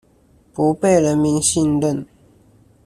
不被人民信任